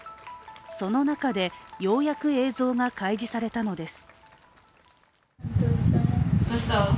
その中で、ようやく映像が開示されたのです。